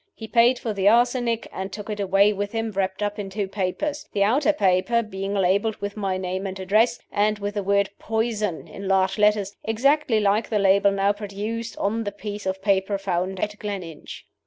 He paid for the arsenic, and took it away with him wrapped up in two papers, the outer wrapper being labeled with my name and address, and with the word 'Poison' in large letters exactly like the label now produced on the piece of paper found at Gleninch."